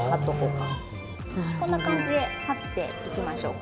こんな感じで貼っていきましょうか。